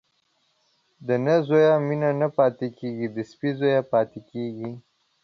د نه زويه مينه نه پاتېږي ، د سپي زويه پاتېږي.